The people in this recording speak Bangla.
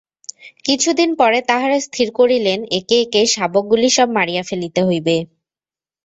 কিছুদিন পরে তাঁহারা স্থির করিলেন, একে একে শাবকগুলি সব মারিয়া ফেলিতে হইবে।